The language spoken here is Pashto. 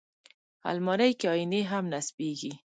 الماري کې آیینې هم نصبېږي